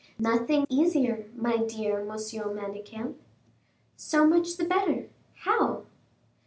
"Nothing easier, my dear Monsieur Manicamp." "So much the better. How?"